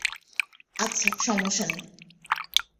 আচ্ছা, সমস্যা নেই।